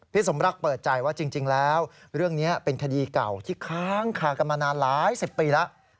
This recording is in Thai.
สมรักษ์เปิดใจว่าจริงแล้วเรื่องนี้เป็นคดีเก่าที่ค้างคากันมานานหลายสิบปีแล้ว